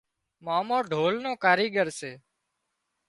مامو ڍول نو ڪاريڳر سي